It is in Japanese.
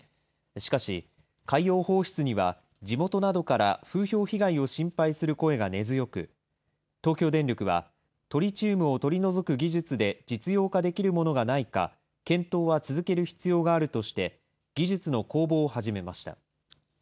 しかし、海洋放出には地元などから風評被害を心配する声が根強く、東京電力は、トリチウムを取り除く技術で実用化できるものがないか、検討は続ける必要があるとして、技術の公募を始めました。